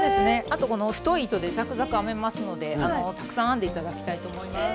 あとこの太い糸でざくざく編めますのでたくさん編んで頂きたいと思います。